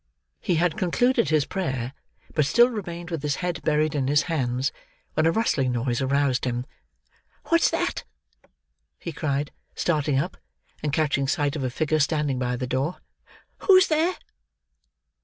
He had concluded his prayer, but still remained with his head buried in his hands, when a rustling noise aroused him. "What's that!" he cried, starting up, and catching sight of a figure standing by the door. "Who's there?"